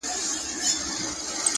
لوړ همت ستړې ورځې کوچنۍ کوي